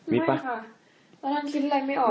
ไม่ค่ะตอนนั้นคิดอะไรไม่ออก